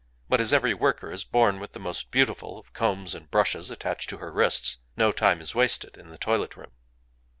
But as every worker is born with the most beautiful of combs and brushes attached to her wrists, no time is wasted in the toilet room.